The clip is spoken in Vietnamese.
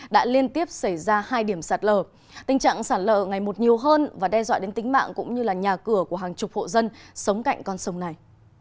đã liên tiếp xảy ra hai điểm sạt lở tình trạng sạt lở ngày một nhiều hơn và đe dọa đến tính mạng cũng như là nhà cửa của hàng chục hộ dân sống cạnh con sông này